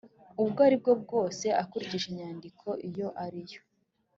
ubwo ari bwo bwose akurikije inyandiko iyo ariyo